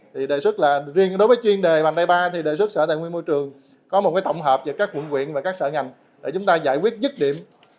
thì đề xuất là riêng đối với chuyên đề vành đai ba thì đề xuất sở tài nguyên môi trường có một cái tổng hợp giữa các quận quyện và các sở ngành để chúng ta giải quyết dứt điểm